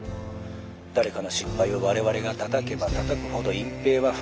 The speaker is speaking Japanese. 誰かの失敗を我々がたたけばたたくほど隠蔽は増えていく。